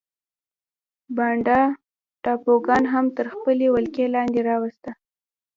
بانډا ټاپوګان هم تر خپلې ولکې لاندې راوسته.